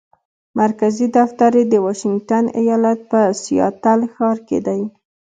مرکزي دفتر یې د واشنګټن ایالت په سیاتل ښار کې دی.